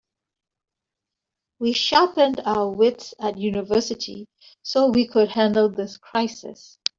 We sharpened our wits at university so we could handle this crisis.